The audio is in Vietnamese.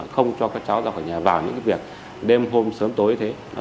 không cho các cháu ra khỏi nhà vào những việc đêm hôm sớm tối thế